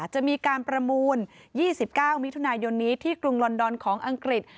จะมีการประมูล๒๙มิถุนายนนี้ที่กรุงลอนดอนของอังกฤษ